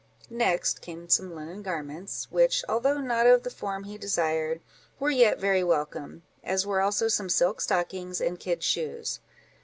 Next came some linen garments, which, although not of the form he desired, were yet very welcome; as were also some silk stockings and kid shoes.